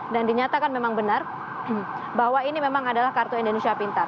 dan dinyatakan memang benar bahwa ini memang adalah kartu indonesia pintar